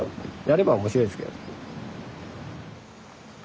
やれば面白いですけどね。